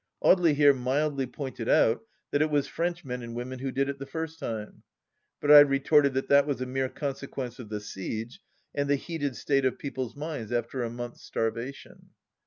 Audely here mildly pointed out that it was French men and women who did it the first time ; but I retorted that that was a mere consequence of the Siege, and the heated state of people's minds after a month's starvation.